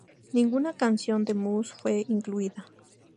Ninguna canción de "Muse" fue incluida.